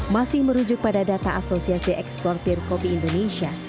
masih merujuk pada data asosiasi eksportir kopi indonesia